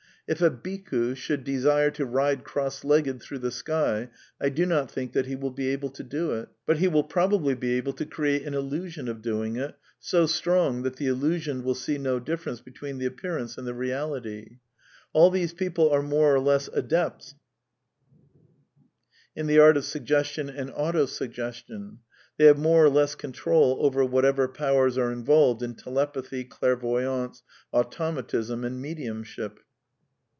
If a Bhikku should desire to ride cross legged through the sky, I do not think that he will be able to do it, but he will probably be able to create an illusion of doing it, so strong that the illusioned will see no / difference between the appearance and the reality. All / these people are more or less adepts in the art of sug gestion and auto suggestion ; they have more or less control over whatever powers are involved in telepathy, clair voyance, automatism, and mediumship.